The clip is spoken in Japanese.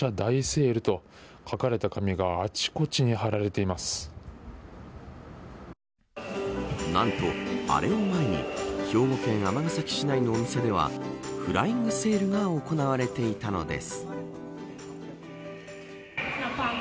大セールと書かれた紙が何と、アレを前に兵庫県尼崎市内の店ではフライングセールが行われていたのです。